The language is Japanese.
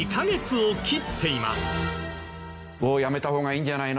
やめた方がいいんじゃないの？